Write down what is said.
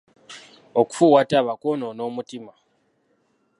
Okufuuwa taaba kwonoona omutima.